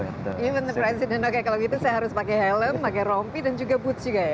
bahkan presiden oke kalau begitu saya harus pakai helm pakai rompi dan juga boots juga ya